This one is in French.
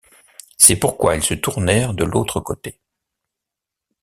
C’est pourquoi ils se tournèrent de l’autre côté.